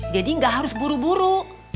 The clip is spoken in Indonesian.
jadi gak harus buru buru